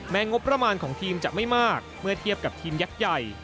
งบประมาณของทีมจะไม่มากเมื่อเทียบกับทีมยักษ์ใหญ่